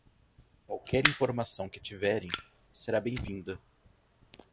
Qualquer informação que tiverem será bem-vinda.